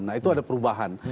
nah itu ada perubahan